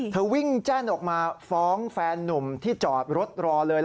วิ่งแจ้นออกมาฟ้องแฟนนุ่มที่จอดรถรอเลย